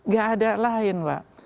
gak ada lain pak